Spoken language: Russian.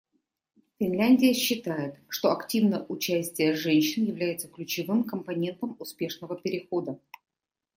Финляндия считает, что активное участие женщин является ключевым компонентом успешного перехода.